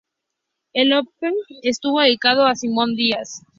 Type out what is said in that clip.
El opening estuvo dedicado a Simón Díaz.